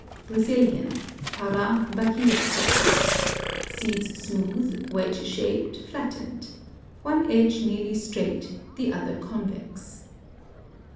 Brazilian (Para, Bahia) Cocoa.—Seeds smooth, wedge shaped, flattened. One edge nearly straight, the other convex.